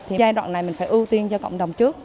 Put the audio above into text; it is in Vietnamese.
thì giai đoạn này mình phải ưu tiên cho cộng đồng trước